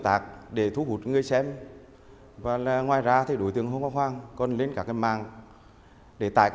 tạc để thu hút người xem và là ngoài ra thì đối tượng hôn hoa khoang còn lên cả cái mạng để tại